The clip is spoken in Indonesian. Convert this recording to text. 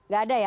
gak ada ya